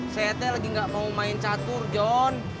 saya teh lagi gak mau main catur john